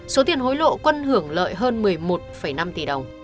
số tiền hối lộ quân hưởng lợi hơn một mươi một năm tỷ đồng